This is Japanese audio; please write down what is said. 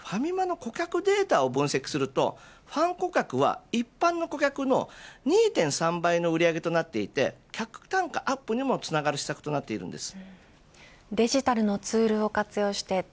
また、ファミマの顧客データを分析するとファン顧客は一般の顧客の２．３倍の売り上げとなっていて客単価アップにもつながる施策となっています。